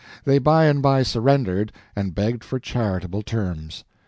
They by and by surrendered, and begged for charitable terms.